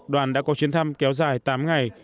đoàn đã có chiến thăm kéo dài tám ngày